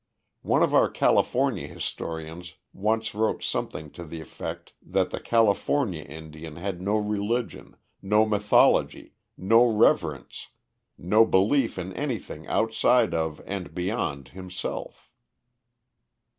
One of our California historians once wrote something to the effect that the California Indian had no religion, no mythology, no reverence, no belief in anything outside of and beyond himself.